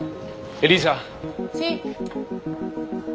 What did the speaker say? エリーザ！